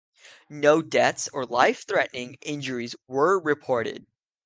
No deaths or life-threatening injuries were reported.